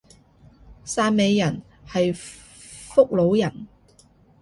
汕尾人係福佬人